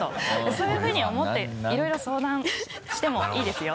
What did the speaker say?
そういうふうに思っていろいろ相談してもいいですよ。